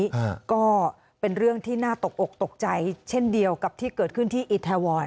อ่าก็เป็นเรื่องที่น่าตกอกตกใจเช่นเดียวกับที่เกิดขึ้นที่อิทาวร